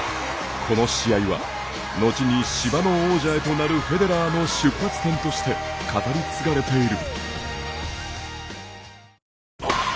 この試合は、後に芝の王者へとなるフェデラーの出発点として語り継がれている。